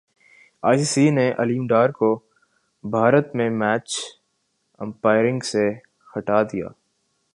ائی C C نے علیم ڈار کو بھارت میں میچ امپائرنگ سے ہٹا دیا